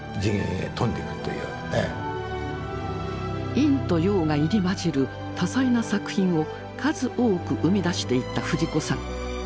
陰と陽が入り交じる多彩な作品を数多く生み出していった藤子さん。